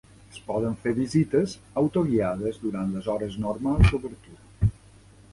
Es poden fer visites autoguiades durant les hores normals d'obertura.